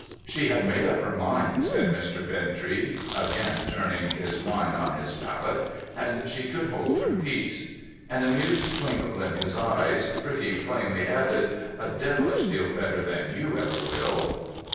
' She had made up her mind,' said Mr. Bintrey, again turning his wine on his palate, ' and she could hold her peace.' An amused twinkle in his eyes pretty plainly added —' A devilish deal better than you ever will